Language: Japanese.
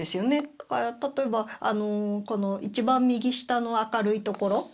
例えばこの一番右下の明るいところ。